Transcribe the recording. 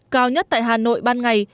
cao nhất tại hà nội ban ngày